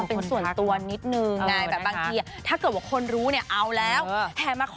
เป็นวิธีสุตาลหรือเปล่านะ